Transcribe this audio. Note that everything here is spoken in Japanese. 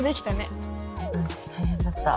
うん大変だった。